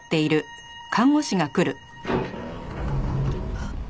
あっ。